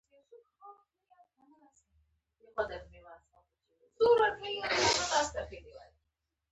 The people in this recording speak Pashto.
زبېښونکي بنسټونه ټکنالوژیکي بدلونونه نه شي رامنځته کولای